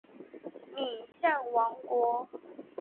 敏象王国。